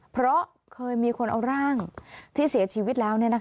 เพราะเคยมีคนเอาร่างที่เสียชีวิตแล้ว